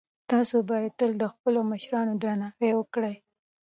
تاسو باید تل د خپلو مشرانو درناوی وکړئ.